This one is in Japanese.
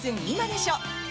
今でしょ」。